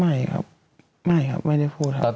ไม่ครับไม่ครับไม่ได้พูดครับ